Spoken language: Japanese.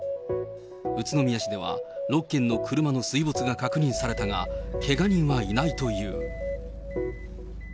宇都宮市では、６件の車の水没が確認されたが、けが人はいないという。